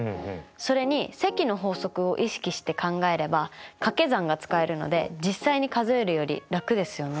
それに積の法則を意識して考えればかけ算が使えるので実際に数えるより楽ですよね。